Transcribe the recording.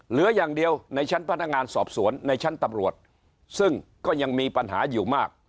เหลืออย่างเดียวในชั้นพนักงานสอบสวนในชั้นตำรวจซึ่งก็ยังมีปัญหาอยู่มาก